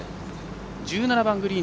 １７番グリーン。